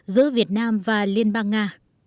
giữa việt nam và liên bang nga